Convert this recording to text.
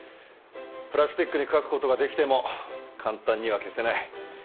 プラスチックに描くことができても簡単には消せない。